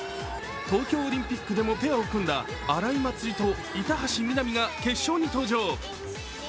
東京オリンピックでもペアを組んだ荒井祭里と板橋美波が決勝に登場。